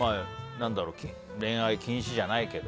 恋愛禁止じゃないけど。